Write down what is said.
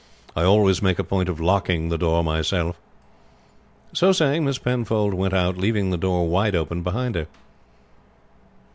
I always make a point of locking the door myself." So saying Miss Penfold went out, leaving the door wide open behind her.